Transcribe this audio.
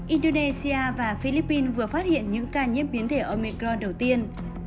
indonesia và philippines vừa phát hiện những ca nhiễm biến thể omecron đầu tiên